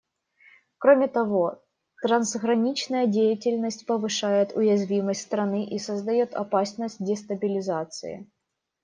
Кроме того, трансграничная деятельность повышает уязвимость страны и создает опасность дестабилизации.